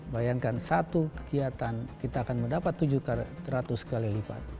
bayangkan satu kegiatan kita akan mendapat tujuh ratus kali lipat